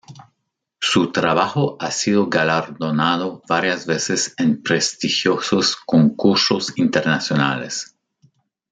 Su trabajo ha sido galardonado varias veces en prestigiosos concursos internacionales.